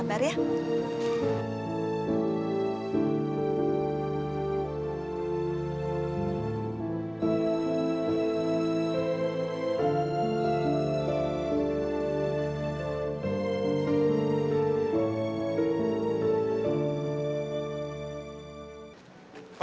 ini sudah tersederhana kita